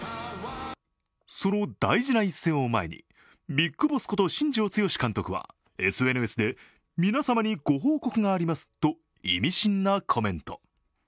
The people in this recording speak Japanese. その大事な一戦を前に、ＢＩＧＢＯＳＳこと新庄剛志監督はＳＮＳで皆様にご報告がありますと意味深なコメント。